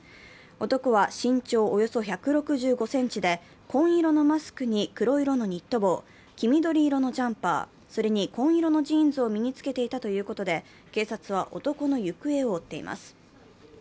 男は身長およそ１６５ｃｍで紺色のマスクに黒色のニット帽、黄緑色のジャンパー、それに紺色のジーンズを身に着けていたということで、警察は男の行方を追っています。